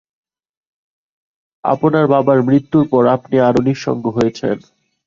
আপনার বাবার মৃত্যুর পর আপনি আরো নিঃসঙ্গ হয়েছেন।